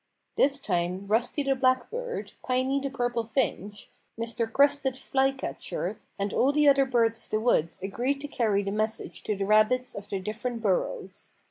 This time Rusty the Black Bird, Piney the Purple Finch, Mr. Crested Flycatcher, and all the other birds of the woods agreed to carry the message to the rabbits of the different burrows.